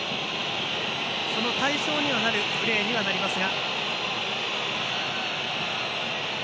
その対象にはなるプレーにはなりますが。